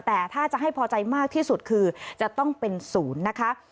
แต่ถ้าจะให้พอใจมากที่สุดคือจะต้องเป็นศูนย์นะคะ